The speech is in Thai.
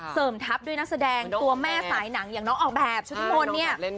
ทับด้วยนักแสดงตัวแม่สายหนังอย่างน้องออกแบบชุติมนต์เนี่ย